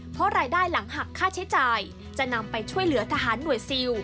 เพราะรายได้หลังหักค่าใช้จ่ายจะนำไปช่วยเหลือทหารหน่วยซิล